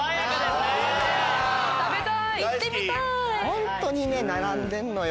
ホントに並んでんのよ。